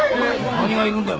何がいるんだよ？